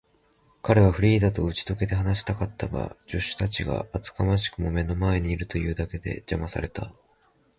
彼はフリーダとうちとけて話したかったが、助手たちが厚かましくも目の前にいるというだけで、じゃまされた。